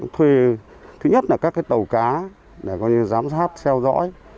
thuê thứ nhất là các tàu cá để giám sát theo dõi